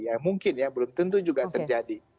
ya mungkin ya belum tentu juga terjadi